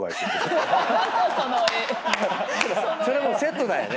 それもうセットだよね。